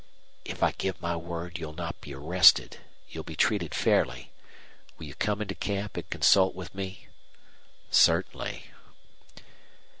"If I give my word you'll not be arrested you'll be treated fairly will you come into camp and consult with me?" "Certainly."